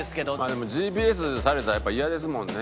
でもＧＰＳされたらやっぱりイヤですもんね。